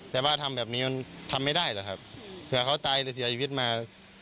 แต่ว่าทำแบบนี้มันทำไม่ได้หรอกครับเผื่อเขาตายหรือเสียชีวิตมา